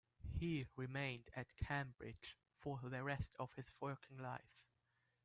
He remained at Cambridge for the rest of his working life.